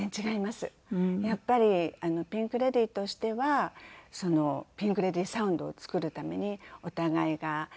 やっぱりピンク・レディーとしてはピンク・レディーサウンドを作るためにお互いが。